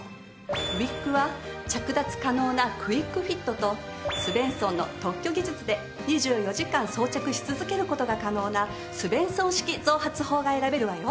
ウィッグは着脱可能なクイックフィットとスヴェンソンの特許技術で２４時間装着し続ける事が可能なスヴェンソン式増髪法が選べるわよ。